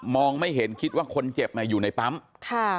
ไม่เห็นคิดว่าคนเจ็บอยู่ในปั๊มค่ะ